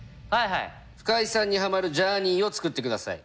深井さんにはまるジャーニーを作ってください。